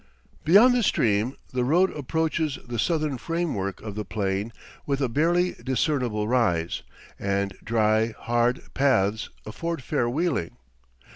Beyond the stream the road approaches the southern framework of the plain with a barely discernible rise, and dry, hard, paths afford fair wheeling.